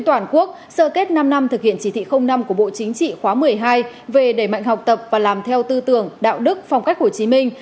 toàn quốc sơ kết năm năm thực hiện chỉ thị năm của bộ chính trị khóa một mươi hai về đẩy mạnh học tập và làm theo tư tưởng đạo đức phong cách hồ chí minh